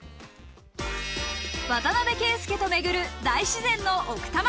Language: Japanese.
渡邊圭祐と巡る大自然の奥多摩。